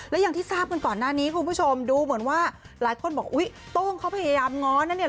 แล้วอย่างที่ทราบกันก่อนหน้านี้คุณผู้ชมดูเหมือนว่าหลายคนบอกอุ๊ยโต้งเขาพยายามง้อนะเนี่ย